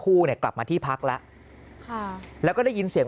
เนี่ยกลับมาที่พักแล้วค่ะแล้วก็ได้ยินเสียง